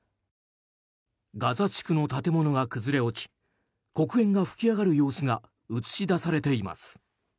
ガザ地区の建物が崩れ落ち黒煙が噴き上がる様子が映し出されています。